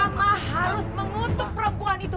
sama harus mengutuk perempuan itu